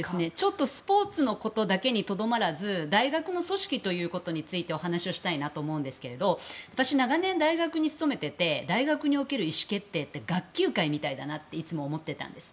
スポーツのことだけにとどまらず大学の組織ということについてお話をしたいと思うんですが私、長年大学に勤めてて大学における意思決定って学級会みたいだなっていつも思っていたんです。